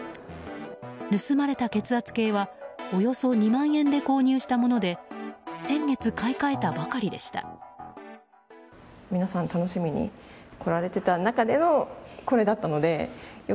盗まれた血圧計はおよそ２万円で購入したもので先月、買い換えたばかりでした。